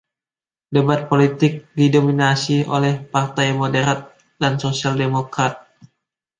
Debat politik didominasi oleh Partai Moderat dan Sosial Demokrat.